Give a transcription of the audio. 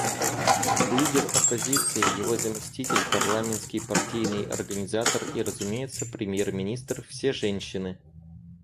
Лидер оппозиции, его заместитель, парламентский партийный организатор и, разумеется, премьер-министр — все женщины.